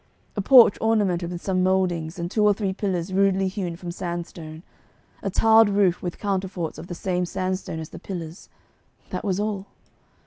A porch ornamented with some mouldings, and two or three pillars rudely hewn from sandstone; a tiled roof with counterforts of the same sandstone as the pillars that was all.